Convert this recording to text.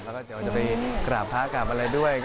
แล้วก็จะไปกราบพระกราบอะไรด้วย